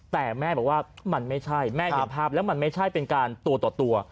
แต่แม่บอกว่ามันไม่ใช่แม่เห็นภาพแล้วมันไม่ใช่เป็นการตัวต่อตัว